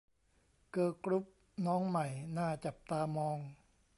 เกิร์ลกรุ๊ปน้องใหม่น่าจับตามอง